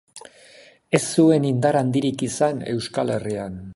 Ez zuen indar handirik izan Euskal Herrian.